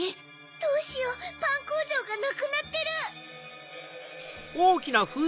どうしようパンこうじょうがなくなってる！